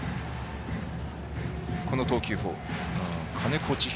この投球フォーム金子弌大